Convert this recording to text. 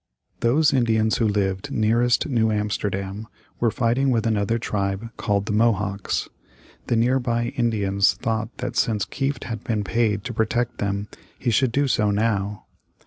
Those Indians who lived nearest New Amsterdam were fighting with another tribe called the Mohawks. The nearby Indians thought that since Kieft had been paid to protect them, he should do so now.